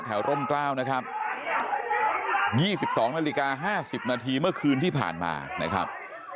ร่มกล้าวนะครับ๒๒นาฬิกา๕๐นาทีเมื่อคืนที่ผ่านมานะครับ